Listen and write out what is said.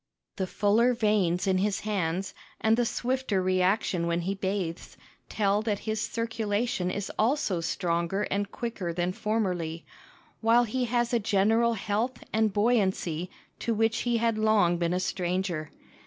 The fuller veins in his hands and the swifter reaction when he bathes tell that his circulation is also stronger and quicker than formerly, while he has a general health and buoyancy to which he had long been a stranger.